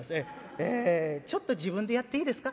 えちょっと自分でやっていいですか？